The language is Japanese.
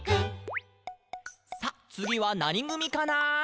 「さあ、つぎはなにぐみかな？」